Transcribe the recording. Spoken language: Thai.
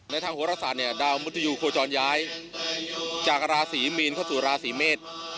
ทางโหรศาสตร์เนี่ยดาวมุทยูโคจรย้ายจากราศรีมีนเข้าสู่ราศีเมษ